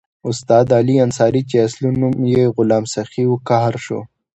استاد علي انصاري چې اصلي نوم یې غلام سخي وو قهر شو.